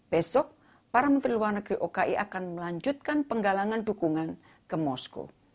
besok para menteri luar negeri oki akan melanjutkan penggalangan dukungan ke moskow